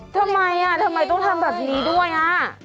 ทำไมอ่ะทำไมต้องทำแบบนี้ด้วยอ่ะ